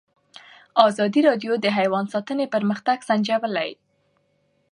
ازادي راډیو د حیوان ساتنه پرمختګ سنجولی.